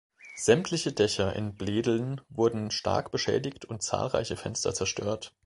Sämtliche Dächer in Bledeln wurden stark beschädigt und zahlreiche Fenster zerstört.